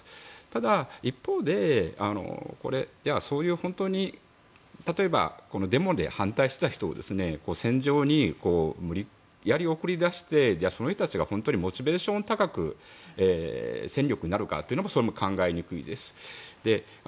ただ、一方で例えば、デモで反対していた人を戦場に無理やり送り出してじゃあ、その人たちが本当にモチベーション高く戦力になるかというかというとそれも考えにくいです。